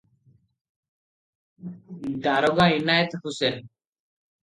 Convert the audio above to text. ଦାରୋଗା ଇନାଏତ ହୋସେନ